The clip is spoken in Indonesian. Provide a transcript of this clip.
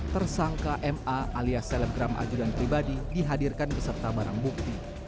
tersangka ma alias selebgram ajudan pribadi dihadirkan beserta barang bukti